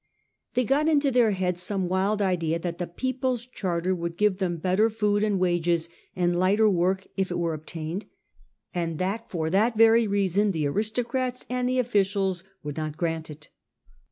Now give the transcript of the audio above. They got into their heads some wild idea that the People's Charter would give them better food and wages and lighter work if it were obtained, and that for that very reason the aristocrats and the offi cials would not grant it.